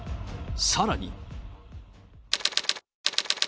さらに。